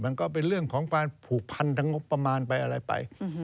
มันก็เป็นเรื่องของการผูกพันทางงบประมาณไปอะไรไป